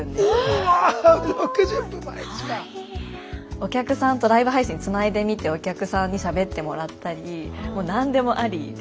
お客さんとライブ配信つないでみてお客さんにしゃべってもらったりもう何でもありで。